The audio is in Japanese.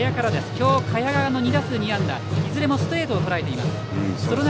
今日、賀谷の２打数２安打いずれもストレートをとらえています。